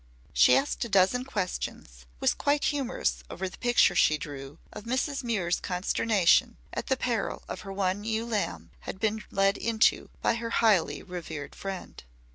She asked a dozen questions, was quite humorous over the picture she drew of Mrs. Muir's consternation at the peril her one ewe lamb had been led into by her highly revered friend.